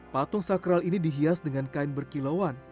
patung sakral ini dihias dengan kain berkilauan